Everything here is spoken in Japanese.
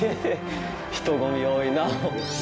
人ごみ多いな。